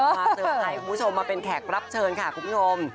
มาเสริมไข่คุณผู้ชมมาเป็นแขกรับเชิญค่ะคุณผู้ชม